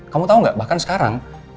kamu tau gak bahkan sekarang